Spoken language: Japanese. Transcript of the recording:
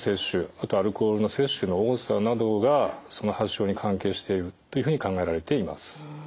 あとアルコールの摂取の多さなどがその発症に関係しているというふうに考えられています。